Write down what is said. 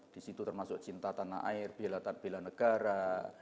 di situ termasuk cinta tanah air bila bila negara